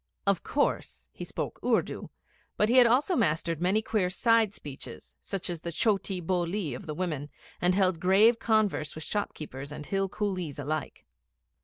Of course, he spoke Urdu, but he had also mastered many queer side speeches like the chotee bolee of the women, and held grave converse with shopkeepers and Hill coolies alike.